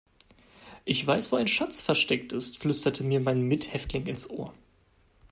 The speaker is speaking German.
Ich weiß, wo ein Schatz versteckt ist, flüsterte mir mein Mithäftling ins Ohr.